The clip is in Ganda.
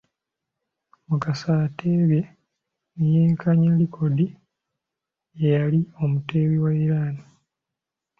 Mukasa ateebye ne yenkanya likodi y’eyali omuteebi wa Iran.